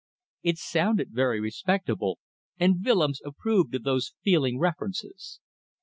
It sounded very respectable, and Willems approved of those feeling references.